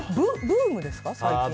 ブームですか？